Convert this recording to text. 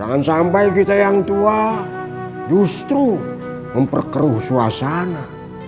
jangan sampai kita yang tua justru memperkeruh suasana